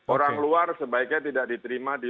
orang luar sebaiknya tidak diterima di